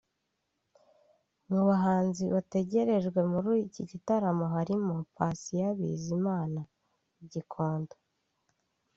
Mu bahanzi bategerejwe muri iki gitaramo harimo Patient Bizimana (Gikondo)